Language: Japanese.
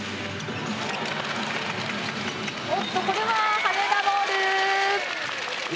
おっとこれは羽田ボール。